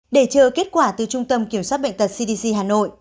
để chờ kết quả từ trung tâm kiểm soát bệnh tật cdc hà nội